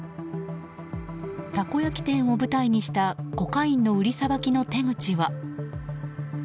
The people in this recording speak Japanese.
たこ焼き店を舞台にしたコカインの売りさばきの手口は。